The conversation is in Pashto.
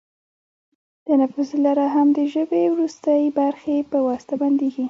تنفسي لاره هم د ژبۍ وروستۍ برخې په واسطه بندېږي.